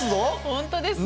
本当ですね。